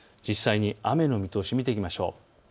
雨の見通しを見ていきましょう。